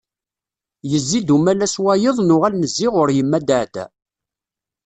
Yezzi-d umalas wayeḍ nuɣal nezzi ɣur yemma Daɛda.